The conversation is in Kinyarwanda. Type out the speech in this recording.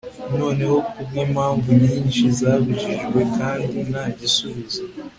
Noneho kubwimpamvu nyinshi zabujijwe kandi nta gisubizo